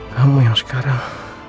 kamu yang sekarang